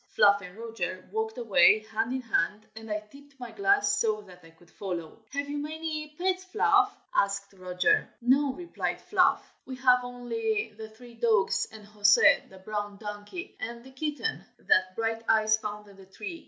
Fluff and Roger walked away hand in hand, and I tipped my glass so that I could follow. "Have you many pets, Fluff?" asked Roger. "No!" replied Fluff. "We have only the three dogs, and José, the brown donkey, and the kitten that Brighteyes found in the tree.